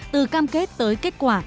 từ cam kết tới kết quả